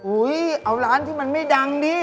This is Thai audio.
เอาร้านที่มันไม่ดังดิ